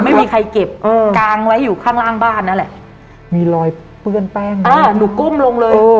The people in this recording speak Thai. ไม่มีใครเก็บกางไว้อยู่ข้างล่างบ้านนั่นแหละมีรอยเปื้อนแป้งหนูก้มลงเลย